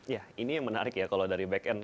ya ini yang menarik ya kalau dari back end